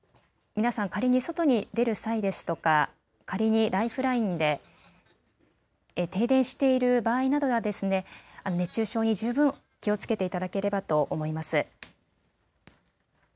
皆さん、仮に外に出る際ですとか仮にライフラインで停電している場合などは熱中症に十分気をつけていただければと思います。